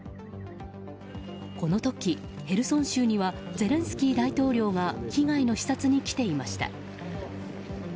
この時、ヘルソン州にはゼレンスキー大統領が被害の視察に来ていました。